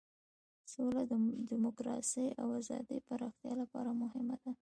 سوله د دموکراسۍ او ازادۍ پراختیا لپاره مهمه ده.